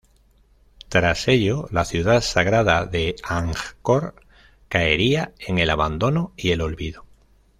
Tras ello la ciudad sagrada de Angkor caería en el abandono y el olvido.